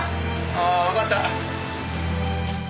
ああわかった。